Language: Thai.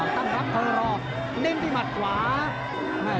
จำทั้งคำเพราะเลนมัตรขา